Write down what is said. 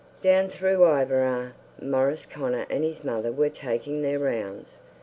Down through Iveragh, Maurice Connor and his mother were taking their rounds.